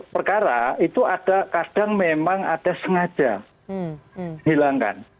perkara itu ada kadang memang ada sengaja hilangkan